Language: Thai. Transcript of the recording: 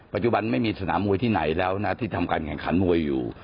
ไม่มีสนามมวยที่ไหนแล้วนะที่ทำการแข่งขันมวยอยู่